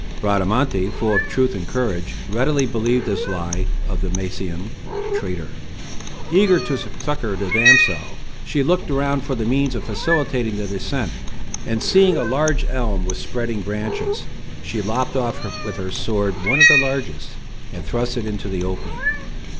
Bradamante, full of truth and courage, readily believed this lie of the Mayencian traitor. Eager to succor the damsel, she looked round for the means of facilitating the descent, and seeing a large elm with spreading branches she lopped off with her sword one of the largest, and thrust it into the opening.